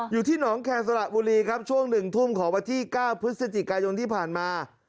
อยู่ที่หนองแคร์สระบุรีครับช่วง๑ทุ่มของวันที่๙พฤศจิกายนที่ผ่านมา